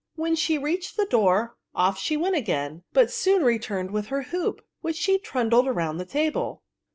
When she reached the door, off she went again, but soon returned with her hoop^ which she trundled round the table.